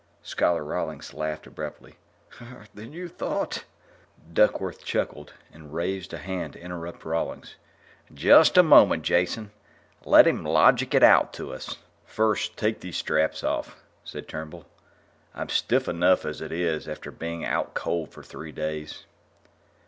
Scholar Rawlings laughed abruptly. "Then you thought " Duckworth chuckled and raised a hand to interrupt Rawlings. "Just a moment, Jason; let him logic it out to us." "First take these straps off," said Turnbull. "I'm stiff enough as it is, after being out cold for three days."